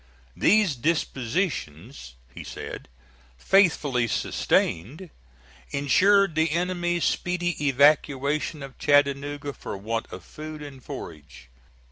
"These dispositions," he said, "faithfully sustained, insured the enemy's speedy evacuation of Chattanooga for want of food and forage.